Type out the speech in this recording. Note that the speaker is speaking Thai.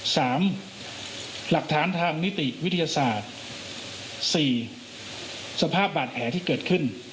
สามหลักฐานทางนิติวิทยาศาสตร์สี่สภาพบาดแผลที่เกิดขึ้น